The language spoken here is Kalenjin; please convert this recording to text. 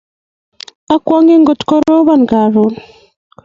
akwonge ngot korobon karon.